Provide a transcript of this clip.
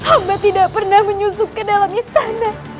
abah tidak pernah menyusup ke dalam istana